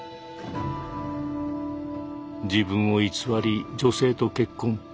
自分を偽り女性と結婚。